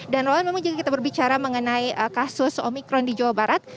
wawan memang jika kita berbicara mengenai kasus omikron di jawa barat